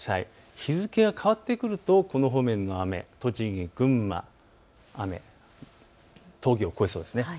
日付が変わってくるとこの方面の雨、栃木、群馬、峠を越えそうです。